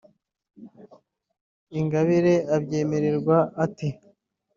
Ingabire abyemererwa ate